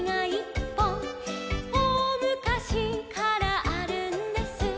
「おおむかしからあるんです」